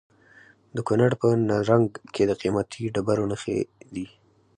د کونړ په نرنګ کې د قیمتي ډبرو نښې دي.